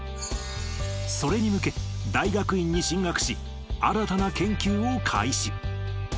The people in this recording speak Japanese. それに向け、大学院に進学し、新たな研究を開始。